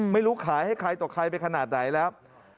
ไม่รู้ขายให้ใครต่อใครไปขนาดไหนแล้ว